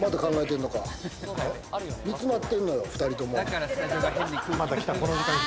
煮詰まってんのよ、２人とも。